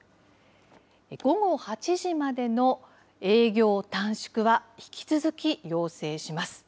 午後８時までの営業短縮は引き続き要請します。